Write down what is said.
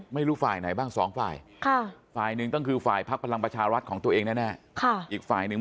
ไม่รู้ฝ่ายไหนบ้างสองฝ่าย